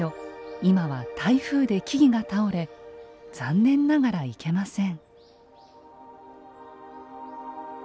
今は台風で木々が倒れ残念ながら行けません。